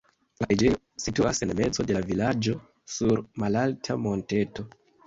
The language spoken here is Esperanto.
La preĝejo situas en mezo de la vilaĝo sur malalta monteto.